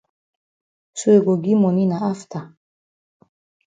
So you go gi moni na afta.